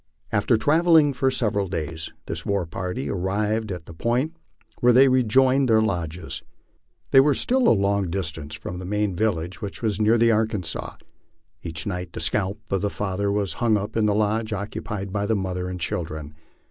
After travelling for several days this war party arrived at the point where they rejoined their lodges. They were still a long distance from the main vil lage, which was near the Arkansas. Each night the scalp of the father was hung up in the lodge occupied by the mother and children.